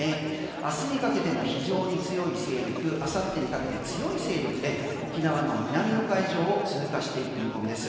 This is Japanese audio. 明日にかけても非常に強い勢力明後日にかけて強い勢力で沖縄の南の海上を通過していく見込みです。